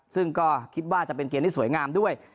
ซึ่งก็คิดว่าจะเป็นเกมที่สวยงามด้วย